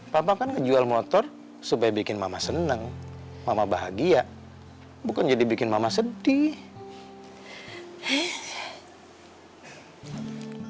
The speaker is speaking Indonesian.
papa kan ngejual motor supaya bikin mama senang mama bahagia bukan jadi bikin mama sedih